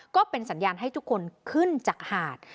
ก็เป็นสัญญาณให้ทุกคนขึ้นจากหาด